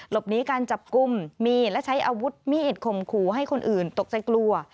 หนีการจับกลุ่มมีและใช้อาวุธมีดอิดข่มขู่ให้คนอื่นตกใจกลัว